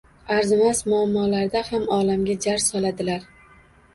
Arzimas muammolarda ham olamga jar soladilar.